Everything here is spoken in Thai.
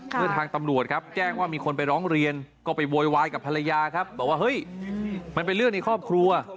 ทางตำรวจครับแจ้งว่ามีคนไปร้องเรียนก็ไปโวยวายกับภรรยาครับบอกว่าเฮ้ยมันเป็นเรื่องในครอบครัว